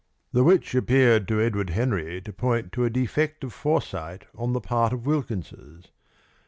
The which appeared to Edward Henry to point to a defect of foresight on the part of Wilkins's.